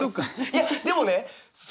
いやでもね